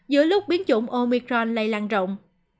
giữa lúc biến chủng omicron lây lan rộng